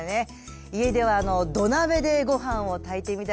家では土鍋でご飯を炊いてみたりね